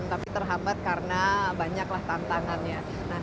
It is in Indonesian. tapi terhambat karena banyaklah tantangannya